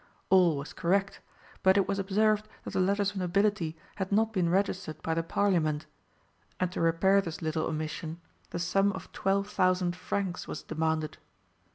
All was correct, but it was observed that the letters of nobility had not been registered by the Parliament, and to repair this little omission, the sum of twelve thousand francs was demanded.